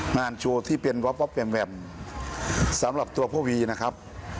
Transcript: งานโชว์ที่เป็นว๊อบแวมสำหรับตัวพ่อวีนะครับ